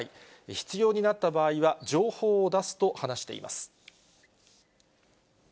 必要になった場合は情報を出すと話しています。